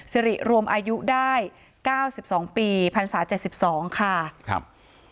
สิริรวมอายุได้เก้าสิบสองปีพันธ์ศาสตร์เจ็ดสิบสองค่ะครับ